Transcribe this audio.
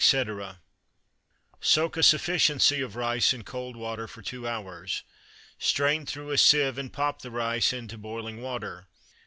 _ Soak a sufficiency of rice in cold water for two hours. Strain through a sieve, and pop the rice into boiling water.